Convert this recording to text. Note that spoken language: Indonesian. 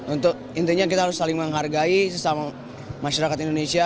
untuk intinya kita harus saling menghargai sesama masyarakat indonesia